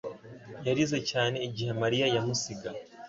yarize cyane igihe Mariya yamusiga.